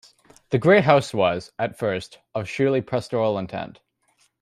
The gray house was, at first, of sheerly pastoral intent.